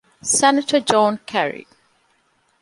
Senator John Kerry.